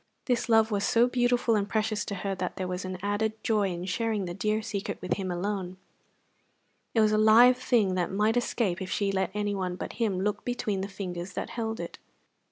This love was so beautiful and precious to her that there was an added joy in sharing the dear secret with him alone; it was a live thing that might escape if she let anyone but him look between the fingers that held it.